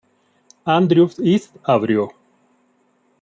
Andrews East abrió.